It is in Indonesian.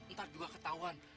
ntar juga ketahuan